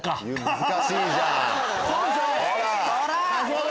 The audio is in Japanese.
難しいじゃん！ほら！